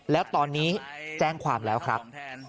แล้วตอนนี้แจ้งความแล้วครับ